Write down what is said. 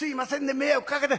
迷惑かけて。